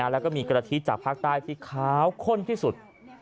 แล้วก็มีกะทิจากภาคใต้ที่ขาวข้นที่สุด